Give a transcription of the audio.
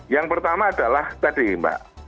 yang pertama adalah tadi mbak